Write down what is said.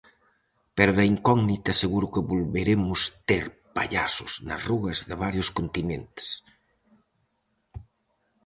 Pero da incógnita seguro que volveremos ter pallasos nas rúas de varios continentes.